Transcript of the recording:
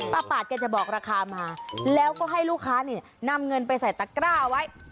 ปาดแกจะบอกราคามาแล้วก็ให้ลูกค้าเนี่ยนำเงินไปใส่ตะกร้าไว้